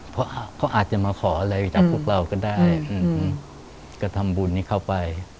เพราะเขาอาจจะมาขออะไรจากพวกเราก็ได้ก็ทำบุญนี้เข้าไป